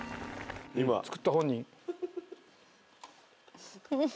作った本人。